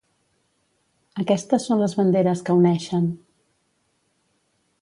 Aquestes són les banderes que uneixen.